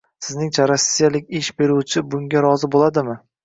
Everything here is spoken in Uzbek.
Sizningcha, rossiyalik ish beruvchi bunga rozi bo'ladimi?